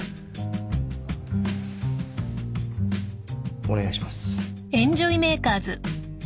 お願いします。